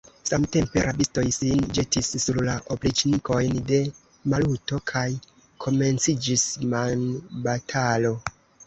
Samtempe rabistoj, sin ĵetis sur la opriĉnikojn de Maluto, kaj komenciĝis manbatalo!